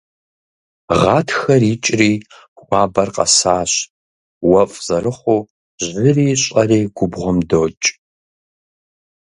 Гъатхэр икӏри хуабэр къэсащ, уэфӏ зэрыхъуу жьыри щӏэри губгъуэм докӏ.